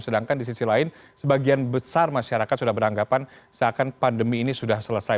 sedangkan di sisi lain sebagian besar masyarakat sudah beranggapan seakan pandemi ini sudah selesai